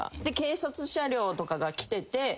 で警察車両とかが来てて。